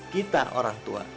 kita orang tua